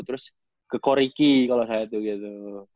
terus ke koriki kalau saya tuh gitu